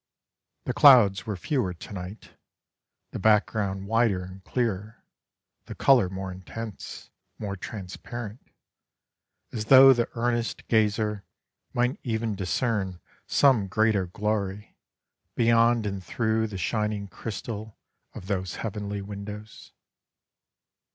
The clouds were fewer to night, the background wider and clearer, the colour more intense, more transparent, as though the earnest gazer might even discern some greater glory, beyond and through the shining crystal of those heavenly windows.